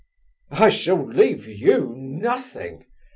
"I shall leave you nothing!"